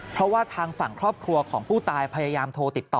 เพราะว่าทางฝั่งครอบครัวของผู้ตายพยายามโทรติดต่อ